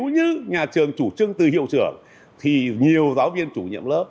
nhà trường chủ trưng từ hiệu trưởng thì nhiều giáo viên chủ nhiệm lớp